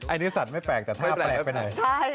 อันนี้สัตว์ไม่แปลกแต่ท่าแปลกไปเลย